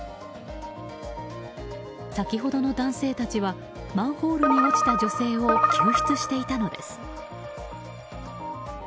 先ほどの男性たちはマンホールに落ちた女性を救出していたのです。